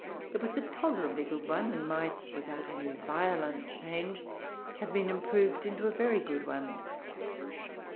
It was a tolerably good one; and might, without any violent change, have been improved into a very good one.